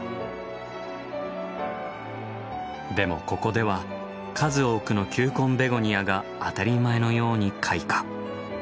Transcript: でもここでは数多くの球根ベゴニアが当たり前のように開花。